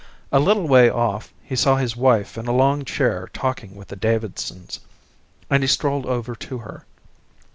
A little way off he saw his wife in a long chair talking with the Davidsons, and he strolled over to her.